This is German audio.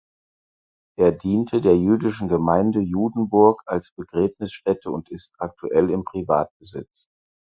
Er diente der "Jüdischen Gemeinde Judenburg" als Begräbnisstätte und ist aktuell im Privatbesitz.